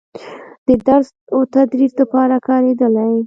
د درس و تدريس دپاره کارېدلې